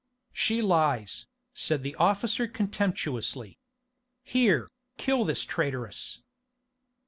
"She lies," said the officer contemptuously. "Here, kill this traitress."